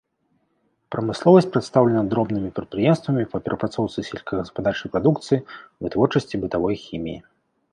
Прамысловасць прадстаўлена дробнымі прадпрыемствамі па перапрацоўцы сельскагаспадарчай прадукцыі, вытворчасці бытавой хіміі.